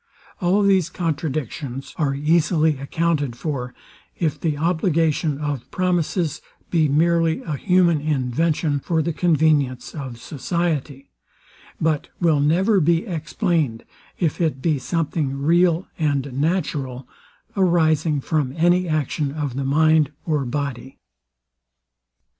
All these contradictions are easily accounted for, if the obligation of promises be merely a human invention for the convenience of society; but will never be explained, if it be something real and natural, arising from any action of the mind or body.